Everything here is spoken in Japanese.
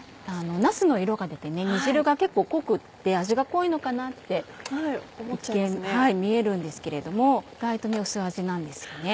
なすの色が出て煮汁が結構濃くって味が濃いのかなって一見見えるんですけれども意外と薄味なんですよね。